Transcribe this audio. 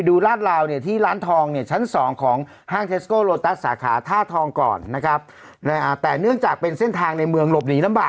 ๒๐๐เยอะแล้วน่ะได้กินค่ะนะกินได้ล่ะนะ